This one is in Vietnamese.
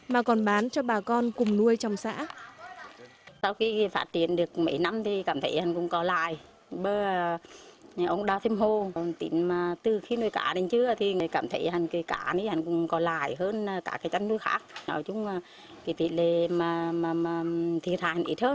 mà còn bán cho bà con cùng nuôi trong xã